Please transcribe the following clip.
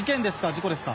事故ですか？